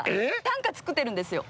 短歌作ってるんですよ。